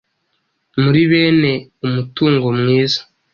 Muri bene umutungo mwiza,